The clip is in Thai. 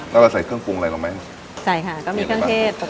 แล้วเราใส่เครื่องปรุงอะไรตรงไหมใส่ค่ะก็มีข้างเทศปกติอะค่ะ